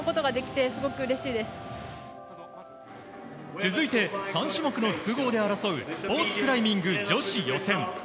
続いて、３種目の複合で争うスポーツクライミング女子予選。